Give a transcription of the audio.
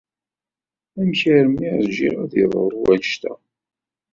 Amek armi rjiɣ ad d-yeḍru wannect-a.